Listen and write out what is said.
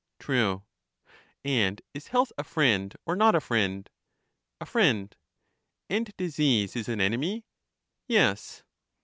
True. And is health a friend, or not a friend? A friend. And disease is an enemy? Yes.